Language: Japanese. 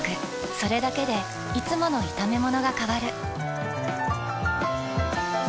それだけでいつもの炒めものが変わる。